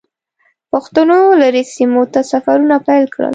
پښتنو لرې سیمو ته سفرونه پیل کړل.